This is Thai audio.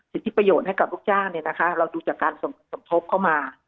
สิทธิประโยชน์ให้กับลูกจ้างเนี่ยนะคะเราดูจากการสมทบเข้ามา